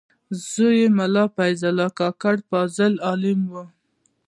زوی یې ملا فیض الله کاکړ فاضل عالم و.